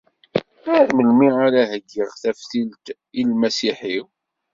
Ar melmi ara heyyiɣ taftilt i lmasiḥ-iw?